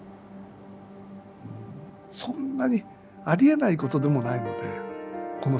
そんなにありえないことでもないのでこの世界。